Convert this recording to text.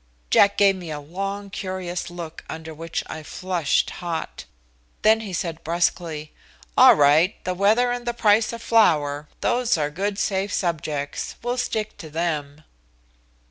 Jack gave me a long curious look under which I flushed hot. Then he said brusquely, "All right, the weather and the price of flour, those are good safe subjects, we'll stick to them."